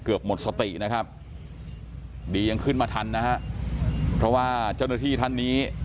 หมดสตินะครับดียังขึ้นมาทันนะฮะเพราะว่าเจ้าหน้าที่ท่านนี้